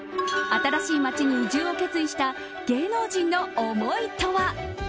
新しい街に移住を決意した芸能人の思いとは。